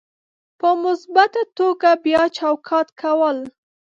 په مثبته توګه بیا چوکاټ کول: